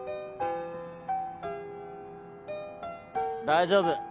大丈夫。